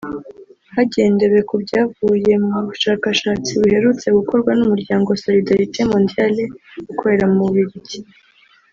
hagendewe ku byavuye mu bushakashatsi buherutse gukorwa n’Umuryango Solidarite Mondiale ukorera mu Bubiligi